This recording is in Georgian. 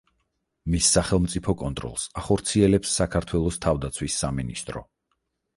მის სახელმწიფო კონტროლს ახორციელებს საქართველოს თავდაცვის სამინისტრო.